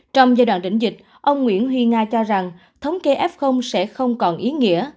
trong giai đoạn đỉnh dịch ông nguyễn huy nga cho rằng thống kê f sẽ không còn ý nghĩa